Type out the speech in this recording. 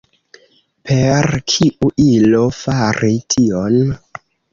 Per kiu ilo fari tion?